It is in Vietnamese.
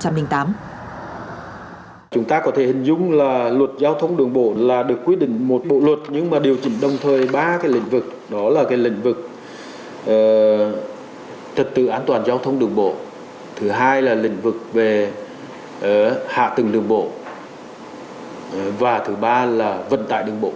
hạ tầng đường bộ và thứ ba là vận tải đường bộ